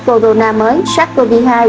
corona mới sars cov hai